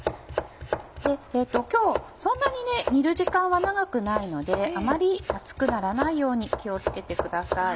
今日そんなに煮る時間は長くないのであまり厚くならないように気を付けてください。